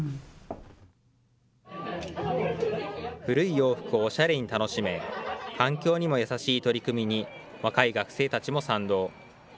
古い洋服をおしゃれに楽しめ、環境にも優しい取り組みに、若い学生たちも賛同。